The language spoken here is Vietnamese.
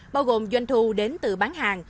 bao gồm doanh thu đến từ bán hàng